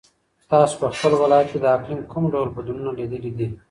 تاسو په خپل ولایت کې د اقلیم کوم ډول بدلونونه لیدلي دي؟